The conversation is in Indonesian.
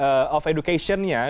jadi bagaimana kita bisa mengatasi